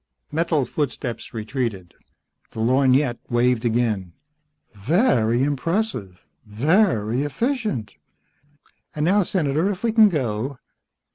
Metal footsteps retreated. The lorgnette waved again. "Very impressive. Very efficient. And now, Senator, if we can go.